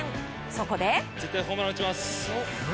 そこで。